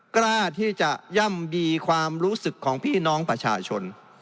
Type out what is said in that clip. กล้าที่จะย่ำบีความรู้สึกของพี่น้องประชาชน